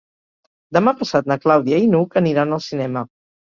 Demà passat na Clàudia i n'Hug aniran al cinema.